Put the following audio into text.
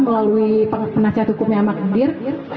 melalui penasihat hukumnya magdir